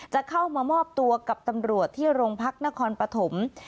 จะเข้ามามอบตัวกับตำรวจที่โรงพักนครปฐม